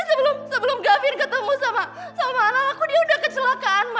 tapi sebelum gavind ketemu sama anak aku dia udah kecelakaan ma